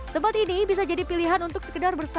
tempat ini bisa jadi pilihan untuk sekedar bersama